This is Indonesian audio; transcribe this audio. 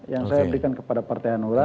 yang saya berikan kepada partai hanura